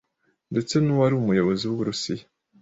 ndetse n’uwari umuyobozi w’uburusiya